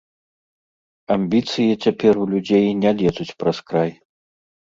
Амбіцыі цяпер у людзей не лезуць праз край.